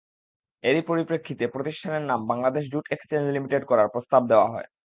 এরই পরিপ্রেক্ষিতে প্রতিষ্ঠানের নাম বাংলাদেশ জুট এক্সচেঞ্জ লিমিটেড করার প্রস্তাব দেওয়া হয়।